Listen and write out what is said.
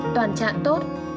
toàn trạng tốt